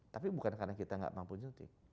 tapi bukan karena kita nggak mampu nyuntik